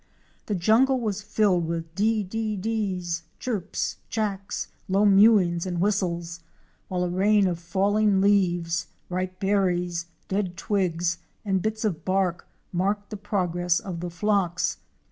The jungle was filled with dee dee dees, chirps, chacks, low mewings and whistles, while a rain of falling leaves, ripe berries, dead twigs and bits of bark marked the progress of the flocks.